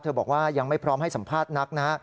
บอกว่ายังไม่พร้อมให้สัมภาษณ์นักนะ